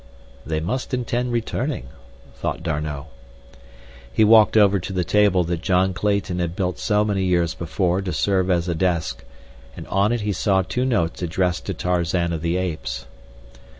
"They must intend returning," thought D'Arnot. He walked over to the table that John Clayton had built so many years before to serve as a desk, and on it he saw two notes addressed to Tarzan of the Apes.